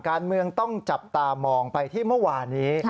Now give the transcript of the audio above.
การเมืองต้องจับตามองไปที่เมื่อวานี้